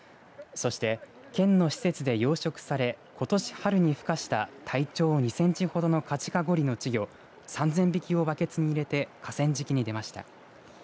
そして、県の施設で養殖されことし春に、ふ化した体長２センチほどのカジカゴリの稚魚３０００匹をバケツに入れて河川敷に出ました。